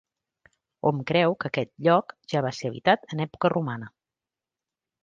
Hom creu que aquest lloc ja va ser habitat en època romana.